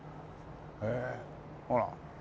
へえほら。